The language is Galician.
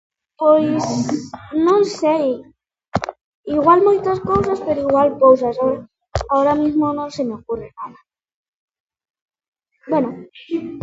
Pois, non sei, igual moitas cousas, pero igual poucas, ahora mismo non se me ocurre nada... Bueno.